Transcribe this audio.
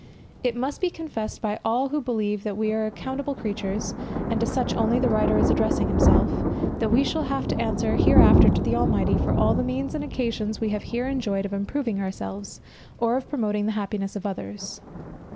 It must be confessed by all who believe that we are accountable creatures, and to such only the writer is addressing himself, that we shall have to answer hereafter to the Almighty for all the means and occasions we have here enjoyed of improving ourselves, or of promoting the happiness of others.